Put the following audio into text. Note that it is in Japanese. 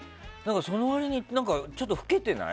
その割に、ちょっと老けてない？